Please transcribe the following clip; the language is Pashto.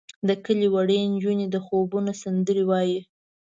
د کلي وړې نجونې د خوبونو سندرې وایې.